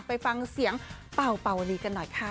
ไปฟังเสียงเป่าเป่าวลีกันหน่อยค่ะ